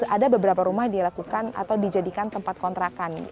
ada beberapa rumah dilakukan atau dijadikan tempat kontrakan